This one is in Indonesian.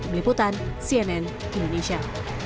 meliputan cnn indonesia